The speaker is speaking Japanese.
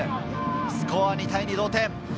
スコアは２対２、同点。